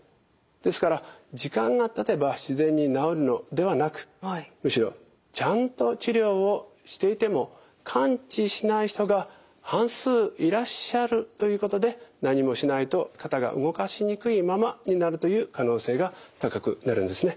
ですから時間がたてば自然に治るのではなくむしろちゃんと治療をしていても完治しない人が半数いらっしゃるということで何もしないと肩が動かしにくいままになるという可能性が高くなるんですね。